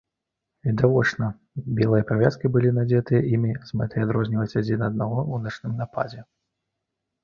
Відавочна, белыя павязкі былі надзетыя імі з мэтай адрозніваць адзін аднаго ў начным нападзе.